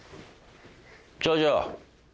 長女。